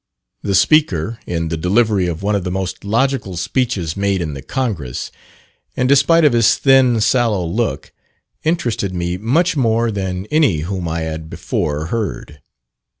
The speaker, in the delivery of one of the most logical speeches made in the Congress, and despite of his thin, sallow look, interested me much more than any whom I had before heard.